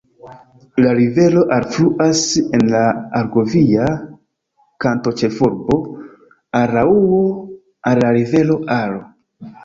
La rivero alfluas en la argovia kantonĉefurbo Araŭo al la rivero Aro.